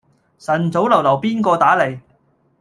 晨早流流邊個打黎